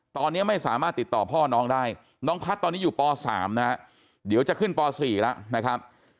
ตอนนี้ไม่สามารถติดต่อพ่อน้องได้น้องพัฒน์ตอนนี้อยู่ป๓นะฮะเดี๋ยวจะขึ้นป๔แล้วนะครับ